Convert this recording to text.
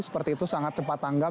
seperti itu sangat cepat tanggap